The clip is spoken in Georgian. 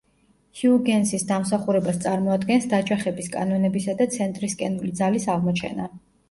ჰიუგენსის დამსახურებას წარმოადგენს დაჯახების კანონებისა და ცენტრისკენული ძალის აღმოჩენა.